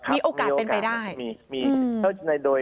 มีโอกาสเป็นไปได้มีนะครับมีโอกาส